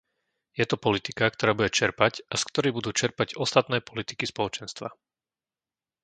Je to politika, ktorá bude čerpať a z ktorej budú čerpať ostatné politiky Spoločenstva.